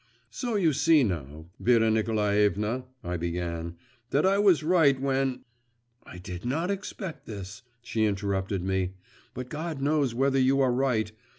'So you see now, Vera Nikolaevna,' I began, 'that I was right when ' 'I did not expect this,' she interrupted me; 'but God knows whether you are right.